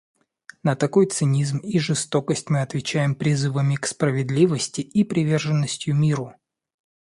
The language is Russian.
На такой цинизм и жестокость мы отвечаем призывами к справедливости и приверженностью миру.